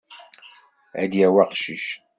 Ad d-yawi aqcic.